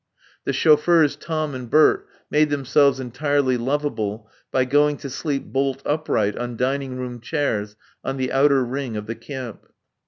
The chauffeurs Tom and Bert made themselves entirely lovable by going to sleep bolt upright on dining room chairs on the outer ring of the camp.